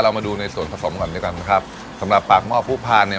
มาดูในส่วนผสมก่อนด้วยกันนะครับสำหรับปากหม้อผู้พานเนี่ย